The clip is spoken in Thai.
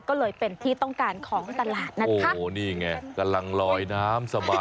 ก็เลยเป็นที่ต้องการของตลาดนะครับ